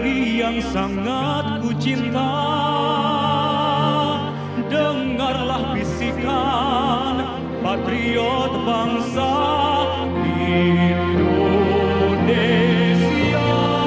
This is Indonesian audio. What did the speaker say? ingatku cinta dengarlah bisikan patriot bangsa indonesia